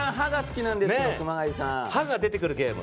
歯が出てくるゲーム。